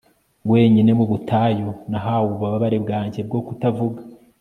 wenyine, mu butayu, nahawe ububabare bwanjye bwo kutavuga